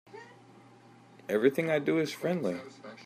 Everything I do is friendly.